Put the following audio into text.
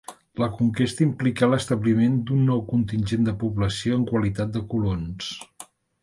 La conquesta implicà l'establiment d'un nou contingent de població en qualitat de colons.